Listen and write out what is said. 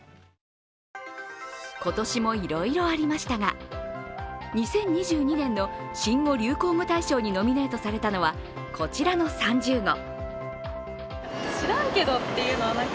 今年もいろいろありましたが２０２２年の新語・流行語大賞にノミネートされたのはこちらの３０語。